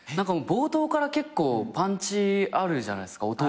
冒頭から結構パンチあるじゃないですか。